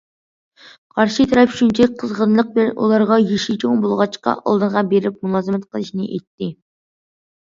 قارشى تەرەپ شۇنچىلىك قىزغىنلىق بىلەن ئۇلارغا يېشى چوڭ بولغاچقا ئالدىغا بېرىپ مۇلازىمەت قىلىشنى ئېيتتى.